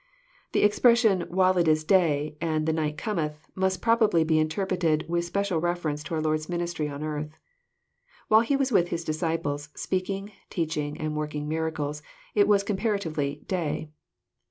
The expression " while it is day," and " the night cometh," must probably be interpreted with special reference to our Lord's ministry upon earth. While He was with His disciples speaking, teaching, and working miracles, it was comparatively " day."